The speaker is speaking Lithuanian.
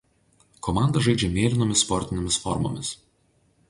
Komanda žaidžia mėlynomis sportinėmis formomis.